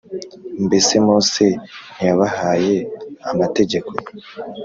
Mbese Mose ntiyabahaye amategeko